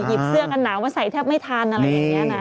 เสื้อกันหนาวมาใส่แทบไม่ทันอะไรอย่างนี้นะ